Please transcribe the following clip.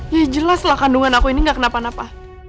ya jelas lah kandungan aku ini gak kenapa napa